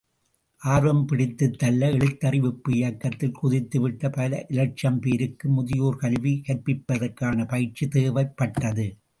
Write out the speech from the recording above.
ஆர்வம் பிடித்துத் தள்ள, எழுத்தறிவிப்பு இயக்கத்தில் குதித்துவிட்ட பல இலட்சம் பேருக்கும் முதியோர் கல்வி கற்பிப்பதற்கான பயிற்சி தேவைப்பட்டது.